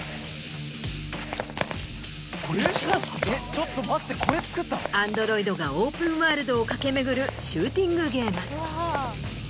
ちょっと待ってこれ作ったの⁉アンドロイドがオープンワールドを駆け巡るシューティングゲーム。